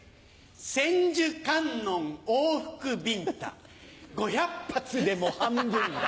千手観音往復ビンタ５００発でも半分だ。